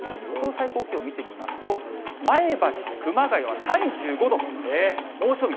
最高気温見てみますと、前橋、熊谷は３５度、猛暑日。